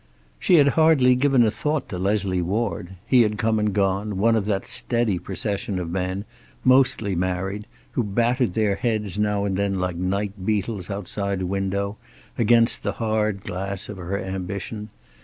She had hardly given a thought to Leslie Ward. He had come and gone, one of that steady procession of men, mostly married, who battered their heads now and then like night beetles outside a window, against the hard glass of her ambition.